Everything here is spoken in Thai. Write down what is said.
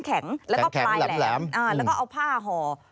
แข็งแล้วก็ปลายแหลมแล้วก็เอาผ้าห่อ